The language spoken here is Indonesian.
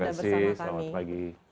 terima kasih selamat pagi